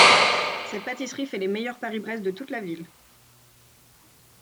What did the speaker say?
Cette pâtisserie fait les meilleurs Paris-Brest de toute la ville.